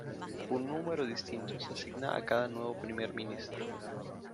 Un número distinto se asigna a cada nuevo Primer Ministro.